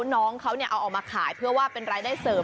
น้องเขาเอาออกมาขายเพื่อว่าเป็นรายได้เสริม